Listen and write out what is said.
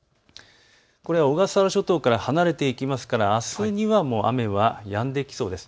小笠原諸島から離れていきますからあすには雨がやんできそうです。